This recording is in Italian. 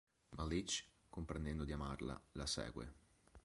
Ma Leach, comprendendo di amarla, la segue.